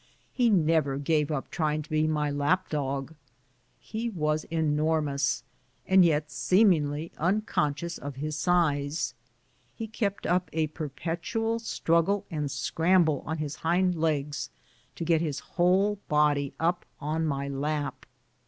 He never gave np trying to be my lap dog. He was enormous, and yet seemingly un conscious of his size. He kept up a perpetual struggle and scramble on his hind legs to get his whole body up on my lap.